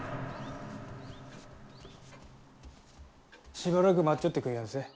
しばらく待っちょってくいやんせ。